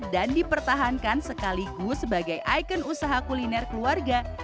dan dipertahankan sekaligus sebagai ikon usaha kuliner keluarga